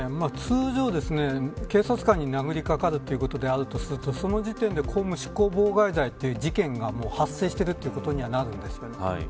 通常、警察官に殴りかかるということであるとするとその時点で公務執行妨害罪という事件が発生しているということにはなるんですよ。